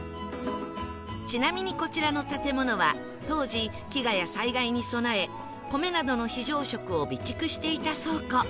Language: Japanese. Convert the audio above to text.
ちなみにこちらの建物は当時飢餓や災害に備え米などの非常食を備蓄していた倉庫